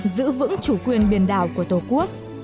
giữ vững chủ quyền biển đảo của tổ quốc